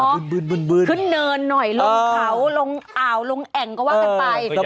ขึ้นเนินหน่อยลงเขาลงอ่าวลงแอ่งก็ว่ากันไป